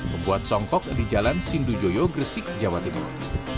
membuat songkok di jalan sindujoyo gresik jawa timur